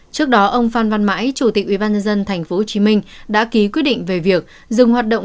trước đó ông phan văn mãi chủ tịch ubnd tp hcm đã ký quyết định về việc dừng hoạt động